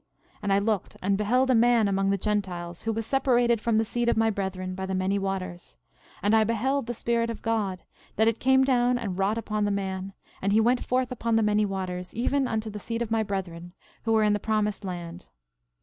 13:12 And I looked and beheld a man among the Gentiles, who was separated from the seed of my brethren by the many waters; and I beheld the Spirit of God, that it came down and wrought upon the man; and he went forth upon the many waters, even unto the seed of my brethren, who were in the promised land.